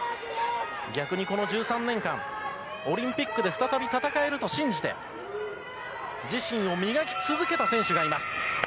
逆に、この１３年間オリンピックで再び戦えると信じて自身を磨き続けた選手がいます。